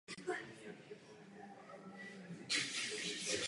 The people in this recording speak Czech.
Jde o desátý díl první řady pátého seriálu ze světa Star Treku.